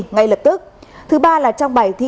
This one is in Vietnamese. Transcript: ngay lập tức thứ ba là trong bài thi